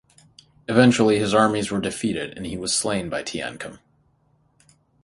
Eventually his armies were defeated and he was slain by Teancum.